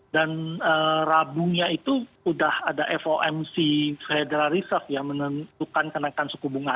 dan rabungnya itu udah ada fomc federal reserve ya menentukan kenaikan suku bunga